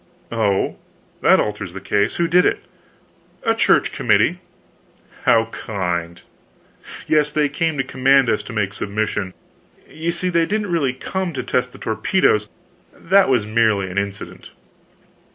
"Oh, that alters the case. Who did it?" "A Church committee." "How kind!" "Yes. They came to command us to make submission. You see they didn't really come to test the torpedoes; that was merely an incident."